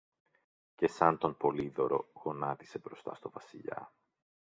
και σαν τον Πολύδωρο γονάτισε μπροστά στο Βασιλιά.